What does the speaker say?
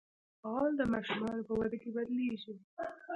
غول د ماشومانو په وده کې بدلېږي.